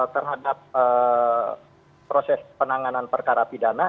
terhadap proses penanganan perkara pidana